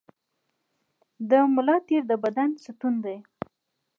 د ملا تیر د بدن ستون دی